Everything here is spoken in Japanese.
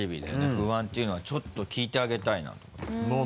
不安っていうのはちょっと聞いてあげたいなと思って。